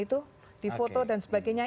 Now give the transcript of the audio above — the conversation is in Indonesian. itu di foto dan sebagainya